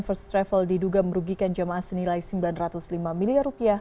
first travel diduga merugikan jemaah senilai rp sembilan ratus lima miliar